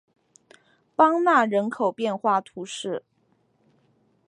邦讷人口变化图示